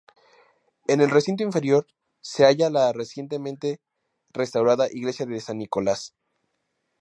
En el recinto inferior se halla la recientemente restaurada iglesia de San Nicolás.